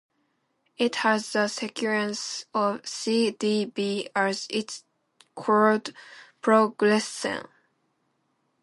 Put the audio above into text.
It has the sequence of C-D-B as its chord progression.